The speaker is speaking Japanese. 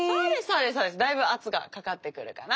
だいぶ圧がかかってくるかな。